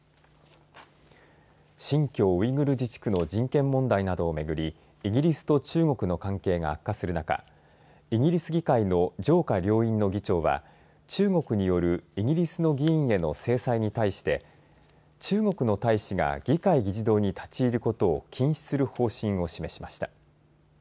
新疆ウイグル自治区の人権問題などをめぐりイギリスと中国の関係が悪化する中イギリス議会の上下両院の議長は中国によるイギリスの議員への制裁に対して中国の大使が議会議事堂に立ち入ることを禁止する方針を示しました。